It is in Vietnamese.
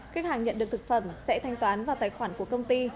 khách hàng nhận được thực phẩm sẽ thanh toán vào tài khoản của công ty